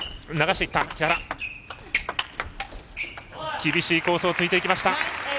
厳しいコースを突いていきました。